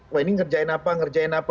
wah ini ngerjain apa ngerjain apa